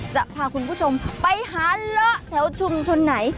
จะพาคุณผู้ชมไปหาเลาะแถวชุมชนไหน